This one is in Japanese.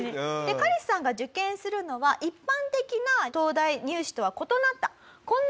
カリスさんが受験するのは一般的な東大入試とは異なったこんな試験でした。